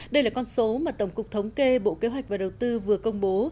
đây là con số mà tổng cục thống kê bộ kế hoạch và đầu tư vừa công bố